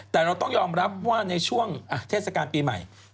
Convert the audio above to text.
แต่เราต้องยอมรับว่าในช่วงเทศกาลปีใหม่